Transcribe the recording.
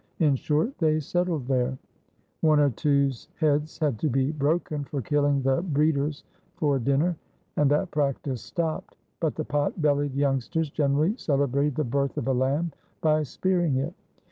In short, they settled there; one or two's heads had to be broken for killing the breeders for dinner, and that practice stopped; but the pot bellied youngsters generally celebrated the birth of a lamb by spearing it.